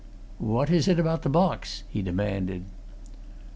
"What is it about the box?" he demanded.